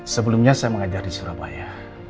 sebelumnya saya mengajar di surabaya